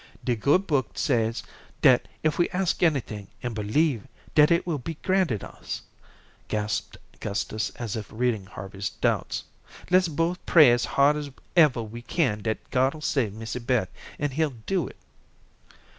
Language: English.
"De Good Book says dat if we ask anything, an' believe, dat it will be granted us," gasped Gustus as if reading Harvey's doubts. "Let's both pray as hard as ever we kin dat God'll save Missy Beth, an' He'll do it."